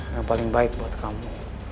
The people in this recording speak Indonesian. yang paling baik buat kamu